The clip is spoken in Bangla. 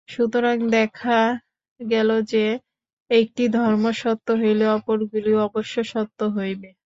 সুতরাং দেখা গেল যে, একটি ধর্ম সত্য হইলে অপরগুলিও অবশ্য সত্য হইবে।